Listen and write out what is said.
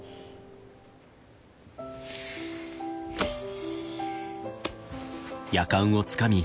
よし。